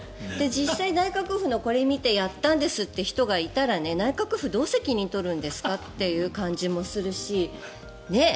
実際、内閣府のこれを見てやったんですという人がいたら内閣府、どう責任を取るんですかっていう感じもするしねえ？